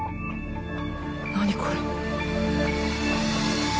何これ。